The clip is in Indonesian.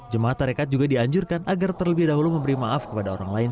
jemaah tarekat juga dianjurkan agar terlebih dahulu memberi maaf kepada orang lain